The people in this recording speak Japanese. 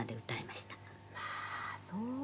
「まあそう！」